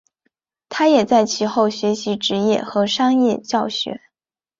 他也在其后学习职业和商业教学。